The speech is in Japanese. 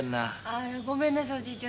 あら。ごめんなさい。